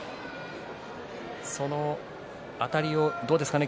そのあたりをどうですかね